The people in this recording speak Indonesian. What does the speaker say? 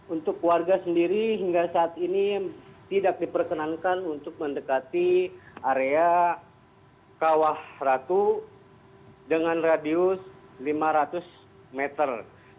untuk warga sendiri hingga saat ini tidak diperkenankan untuk mendekati area kawah ratu dengan radius lima ratus meter